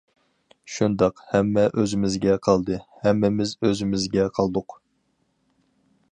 شۇنداق ھەممە ئۆزىمىزگە قالدى، ھەممىمىز ئۆزىمىزگە قالدۇق.